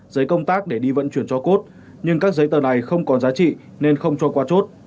giấy công tác để đi vận chuyển cho cốt nhưng các giấy tờ này không còn giá trị nên không cho qua chốt